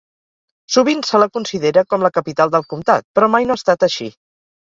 Sovint se la considera com la capital del comtat, però mai no ha estat així.